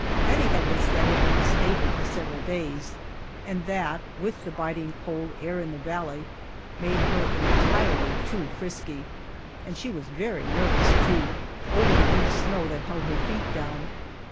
Bettie had been standing in the stable for several days, and that, with the biting cold air in the valley, made her entirely too frisky, and she was very nervous, too, over the deep snow that held her feet down.